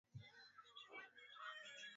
msemaji wa wfp jack den